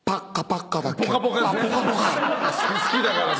好きだから。